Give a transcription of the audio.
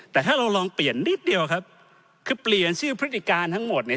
แต่ถ้าเราลองเปลี่ยนนิดเดียวครับคือเปลี่ยนชื่อพฤติการทั้งหมดเนี่ย